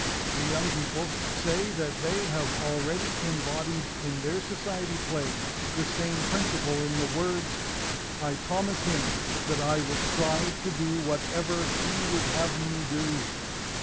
The young people say that they have already embodied in their society pledge the same principle in the words, 'I promise Him that I will strive to do whatever He would have me do.'